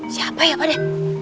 siapa ya ade